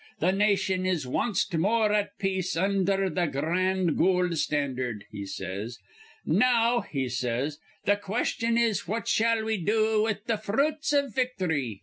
'Th' nation is wanst more at peace undher th' gran' goold standard,' he says. 'Now,' he says, 'th' question is what shall we do with th' fruits iv victhry?'